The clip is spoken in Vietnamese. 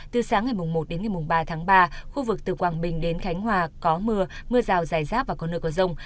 từ sáng ngày một đến ngày ba tháng ba khu vực từ quảng bình đến khánh hòa có mưa mưa rào dài rác và có nơi có rông